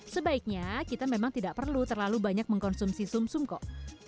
sebaiknya kita memang tidak perlu terlalu banyak mengkonsumsi sum sum kok